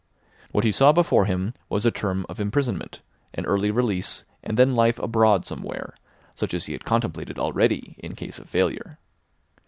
What he saw before him was a term of imprisonment, an early release and then life abroad somewhere, such as he had contemplated already, in case of failure.